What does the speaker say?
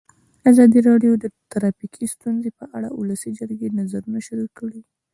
ازادي راډیو د ټرافیکي ستونزې په اړه د ولسي جرګې نظرونه شریک کړي.